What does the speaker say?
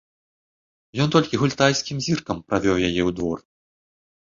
Ён толькі гультайскім зіркам правёў яе ў двор.